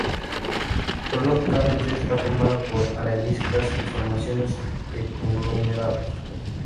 Geológicamente, está formada por areniscas y formaciones de conglomerados.